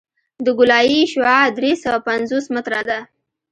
د ګولایي شعاع درې سوه پنځوس متره ده